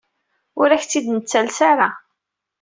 Ur ak-t-id-nettales ara.